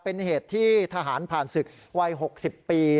เป็นเหตุที่ทหารผ่านศึกวัย๖๐ปี